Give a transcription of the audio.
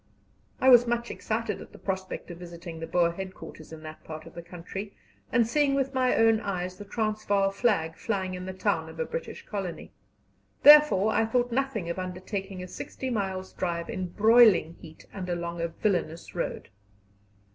I was much excited at the prospect of visiting the Boer headquarters in that part of the country, and seeing with my own eyes the Transvaal flag flying in the town of a British colony. Therefore I thought nothing of undertaking a sixty miles' drive in broiling heat and along a villainous road.